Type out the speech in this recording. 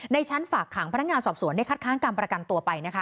ชั้นฝากขังพนักงานสอบสวนได้คัดค้างการประกันตัวไปนะคะ